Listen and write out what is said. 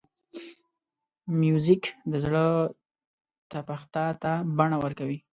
موزیک د زړه تپښتا ته بڼه ورکوي.